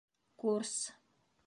Курс.